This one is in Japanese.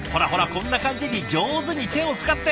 こんな感じに上手に手を使って。